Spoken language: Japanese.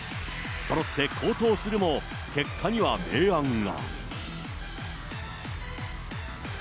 そろって好投するも、結果には明暗が。